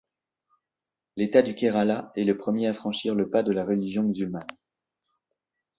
L'État du Kerala est le premier à franchir le pas de la religion musulmane.